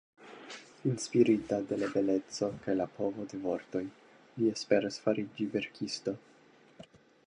Inspirita de la beleco kaj la povo de vortoj, li esperas fariĝi verkisto.